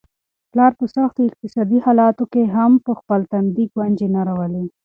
پلار په سختو اقتصادي حالاتو کي هم په خپل تندي ګونجې نه راولي.